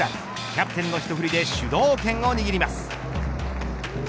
キャプテンの一振りで主導権を握ります。